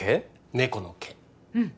猫の毛うん